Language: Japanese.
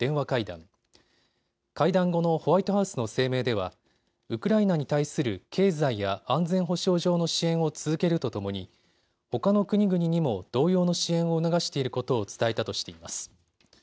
会談後のホワイトハウスの声明では、ウクライナに対する経済や安全保障上の支援を続けるとともにほかの国々にも同様の支援を促していることを伝えたとしています。